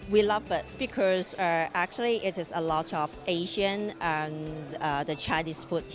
kita suka karena sebenarnya ada banyak makanan asia dan cina di sini